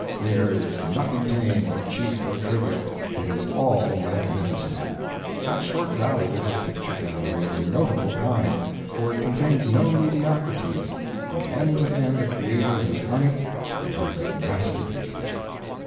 There is nothing tame, or cheap, or trivial it is all magnificent. That short valley is a picture gallery of a notable kind, for it contains no mediocrities; from end to end the Creator has hung it with His masterpieces.